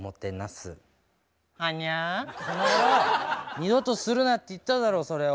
二度とするなって言っただろそれを。